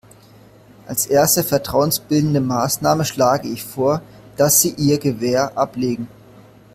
Als erste vertrauensbildende Maßnahme schlage ich vor, dass Sie ihr Gewehr ablegen.